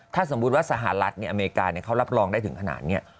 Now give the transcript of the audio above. ถ้าสมมุติว่าสหรัฐอเมริกาเขารับรองได้ถึงขนาดนี้